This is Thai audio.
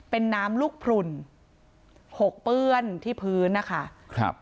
เป็นน้ำลูกพรุ่นหกเปื้อนที่พื้นนะคะครับ